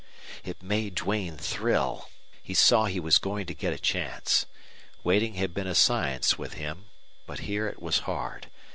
It made Duane thrill. He saw he was going to get a chance. Waiting had been a science with him. But here it was hard.